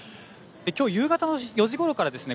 今日、夕方の４時ごろからですね